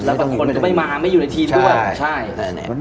แล้วก็คนจะไม่มาไม่อยู่ในทีด้วย